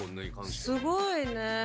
すごいね。